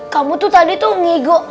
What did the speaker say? kamu tuh tadi tuh ngigok